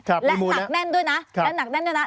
และหนักแน่นด้วยนะและหนักแน่นด้วยนะ